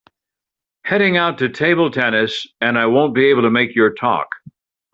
Heading out to table tennis and I won’t be able to make your talk.